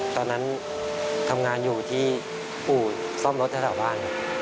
ตอนนั้นทำงานอยู่ที่อู่ซ่อมรถแถวบ้าน